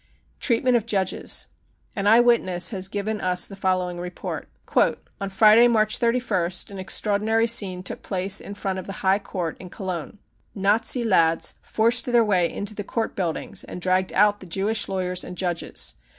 Treatment of Judges. An eyewitness has given us the following report :On Friday, March 31st, an extraordinary scene took place in front of the High Court in Gologne. Nazi lads forced their way into the court buildings and dragged out the Jewish lawyers and judges.